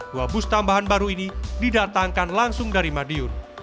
dua bus tambahan baru ini didatangkan langsung dari madiun